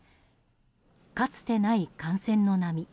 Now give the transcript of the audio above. かつてない感染の波。